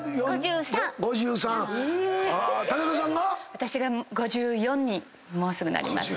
私が５４にもうすぐなります。